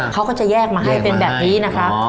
เขาก็จะแยกมาให้แยกมาให้เป็นแบบนี้นะครับอ๋อ